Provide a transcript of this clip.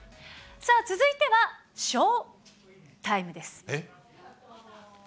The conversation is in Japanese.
さあ、続いてはショータイムです。